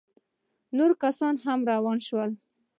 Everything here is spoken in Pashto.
نور کسان هم روان سول.